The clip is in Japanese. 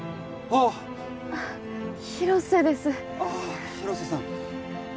ああ廣瀬さん